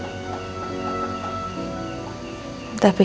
namun mesyuarat cerita